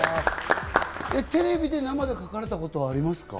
テレビで生で描かれたことはありますか？